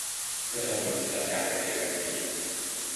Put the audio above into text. ประชาชนจะจัดการกันเองแบบนี้